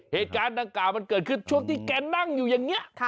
เหตุการณ์ดังกล่าวมันเกิดขึ้นช่วงที่แกนั่งอยู่อย่างนี้